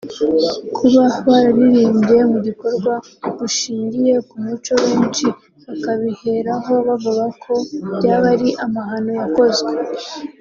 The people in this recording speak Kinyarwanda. kuba bararirimbye mu gikorwa gushingiye ku muco benshi bakabiheraho bavuga ko byaba ari amahano yakozwe